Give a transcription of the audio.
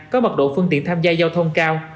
có mật độ phương tiện tham gia giao thông cao